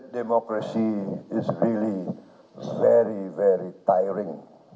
demokrasi itu sangat sangat menakutkan